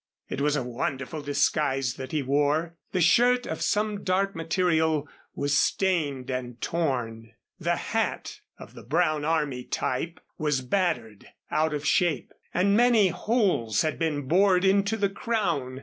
It was a wonderful disguise that he wore. The shirt of some dark material, was stained and torn, the hat, of the brown, army type, was battered out of shape, and many holes had been bored into the crown.